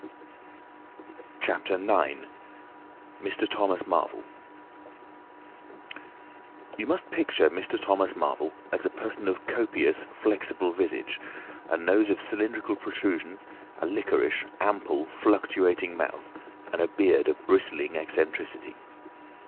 CHAPTER IX. MR. THOMAS MARVEL You must picture Mr. Thomas Marvel as a person of copious, flexible visage, a nose of cylindrical protrusion, a liquorish, ample, fluctuating mouth, and a beard of bristling eccentricity.